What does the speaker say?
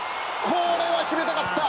これは決めたかった。